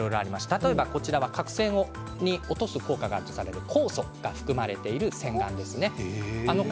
例えば角栓を落とす効果があるとされている酵素が含まれている洗顔ですね。